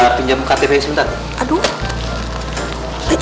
saya pinjam ktp sebentar